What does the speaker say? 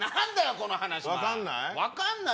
この話！分かんない？